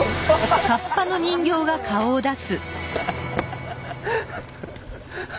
ハハハハ！